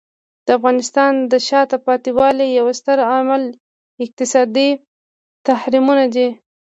د افغانستان د شاته پاتې والي یو ستر عامل اقتصادي تحریمونه دي.